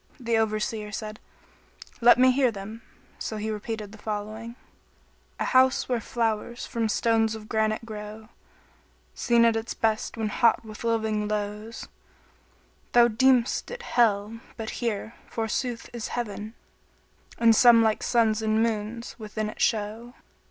The Overseer said, "Let me hear them," so he repeated the following, "A house where flowers from stones of granite grow, * Seen at its best when hot with living lows: Thou deem'st it Hell but here, forsooth, is Heaven, * And some like suns and moons within it show."